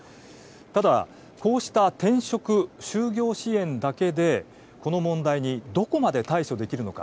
ただ、こうした転職就業支援だけでこの問題にどこまで対処できるのか。